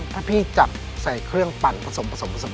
ถ้าพี่จับใส่เครื่องปั่นผสม